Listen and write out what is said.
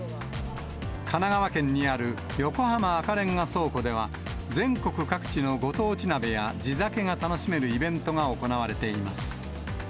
神奈川県にある横浜赤レンガ倉庫では、全国各地のご当地鍋や地酒が楽しめるイベントが行われています。